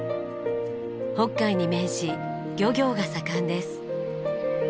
北海に面し漁業が盛んです。